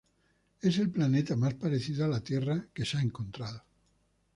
Es el planeta más parecido a la Tierra encontrado.